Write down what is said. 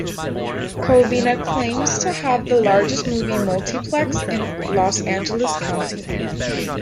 Covina claims to have the largest movie multiplex in Los Angeles County.